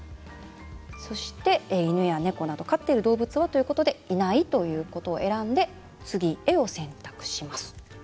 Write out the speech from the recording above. そして犬や猫など飼っている動物はとあるのでいないということを選んで「つぎへ」を選択します。